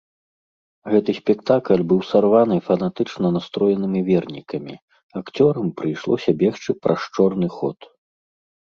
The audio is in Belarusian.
Гэты спектакль быў сарваны фанатычна настроенымі вернікамі, акцёрам прыйшлося бегчы праз чорны ход.